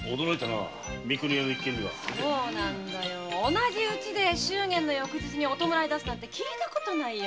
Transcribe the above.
同じ家で祝言の翌日にお弔い出すなんて聞いたことないよ。